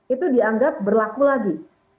itu dianggap berlaku lagi